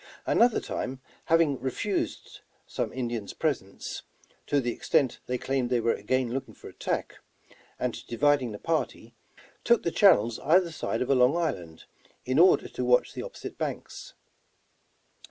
Another time, having refused some Indians presents, to the extent they claimed, they were again looking for attack, and dividing the party, took the channels either side of a long island, in order to watch the oppo site banks.